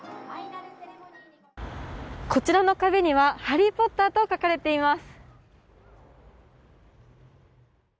こちらの壁には「ハリー・ポッター」と書かれています。